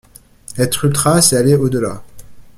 Être ultra, c’est aller au delà.